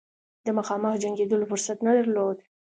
د مخامخ جنګېدلو فرصت نه درلود.